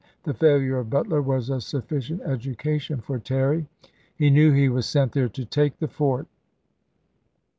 The failure of Butler was a sufficient educa tion for Terry. He knew he was sent there to take the fort.